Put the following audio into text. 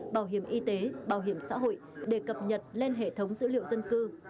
bảo hiểm y tế bảo hiểm xã hội để cập nhật lên hệ thống dữ liệu dân cư